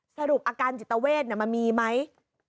สรุปอาการจิตเวทมันมีไหม